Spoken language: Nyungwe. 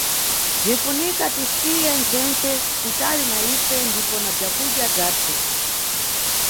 Bzinʼfunika tisiye nchenche kutali na ife ndipo na bzakudya bzathu.